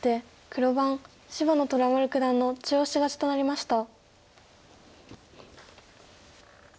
黒番芝野さんの中押し勝ちとなりました。